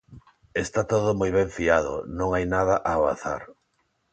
Está todo moi ben fiado, non hai nada ao azar.